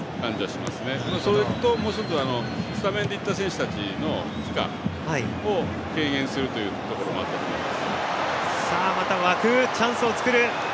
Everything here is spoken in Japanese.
それと、もう１つスタメンの選手たちの負荷を軽減するというところもあったと思います。